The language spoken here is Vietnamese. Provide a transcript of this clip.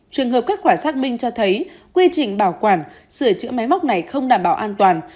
trường hợp kết quả xác minh cho thấy quy trình bảo quản sửa chữa máy móc này không đảm bảo an toàn